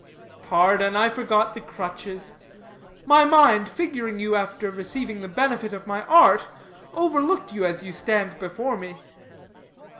"Pardon; I forgot the crutches. My mind, figuring you after receiving the benefit of my art, overlooked you as you stand before me."